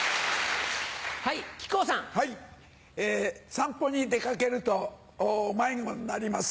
散歩に出掛けると迷子になります。